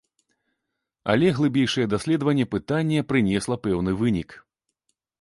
Але глыбейшае даследаванне пытання прынесла пэўны вынік.